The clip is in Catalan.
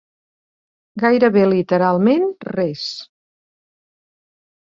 Gairebé literalment res